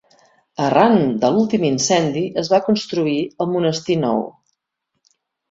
Arran de l'últim incendi es va construir el monestir nou.